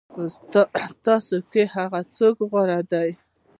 په تاسو کې هغه څوک غوره دی.